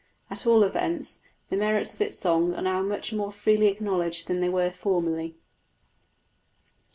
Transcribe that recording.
At all events, the merits of its song are now much more freely acknowledged than they were formerly.